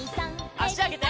あしあげて。